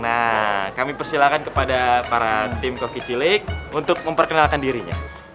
nah kami persilahkan kepada para tim koki cilik untuk memperkenalkan dirinya